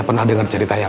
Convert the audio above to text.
terima kasih buat ceritanya